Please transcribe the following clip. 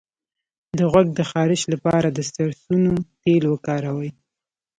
د غوږ د خارش لپاره د سرسونو تېل وکاروئ